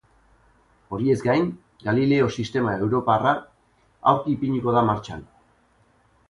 Horiez gain, Galileo sistema europarra aurki ipiniko da martxan.